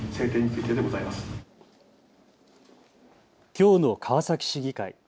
きょうの川崎市議会。